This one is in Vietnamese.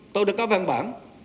tôi đã có văn bản